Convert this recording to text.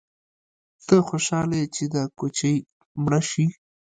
_ته خوشاله يې چې دا کوچۍ مړه شي؟